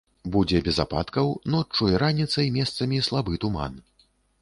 Будзе без ападкаў, ноччу і раніцай месцамі слабы туман.